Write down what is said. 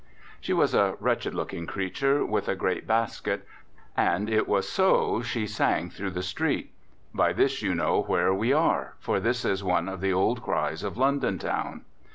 She was a wretched looking creature, with a great basket; and it was so she sang through the street. By this you know where we are, for this is one of the old cries of London town.